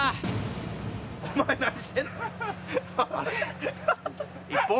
お前、何してんの？